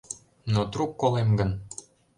Но трук колем гын